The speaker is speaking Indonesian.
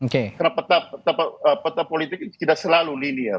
karena peta politik tidak selalu linier